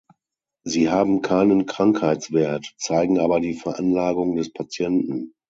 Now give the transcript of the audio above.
Sie haben keinen Krankheitswert, zeigen aber die Veranlagung des Patienten.